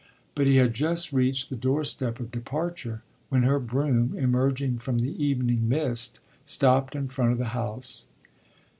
But he had just reached the doorstep of departure when her brougham, emerging from the evening mist, stopped in front of the house.